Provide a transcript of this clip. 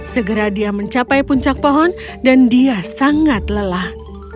segera dia mencapai puncak pohon dan dia sangat lelah